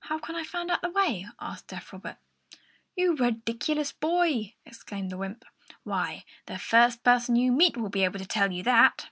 "How can I find out the way?" asked deaf Robert. "You ridiculous boy!" exclaimed the wymp. "Why, the first person you meet will be able to tell you that!"